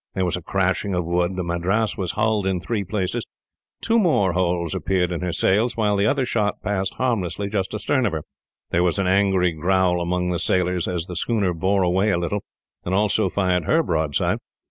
There was a crashing of wood. The Madras was hulled in three places; two more holes appeared in her sails; while the other shot passed harmlessly just astern of her. There was an angry growl among the sailors, as the schooner bore away a little, and also fired her broadside.